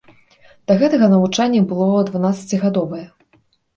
Да гэтага навучанне было дванаццацігадовае.